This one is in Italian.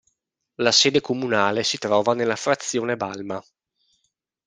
La sede comunale si trova nella frazione Balma.